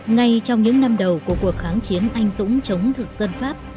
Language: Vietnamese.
ngay trong những năm đầu của cuộc kháng chiến anh dũng chống thực dân pháp